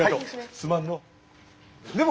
すまんのう。